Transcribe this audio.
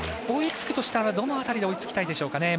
追いつくとしたらどの辺りで追いつくでしょうか。